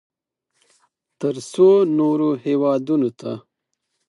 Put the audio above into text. ترڅو نورو هېوادونو ته